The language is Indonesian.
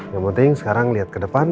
yang penting sekarang lihat ke depan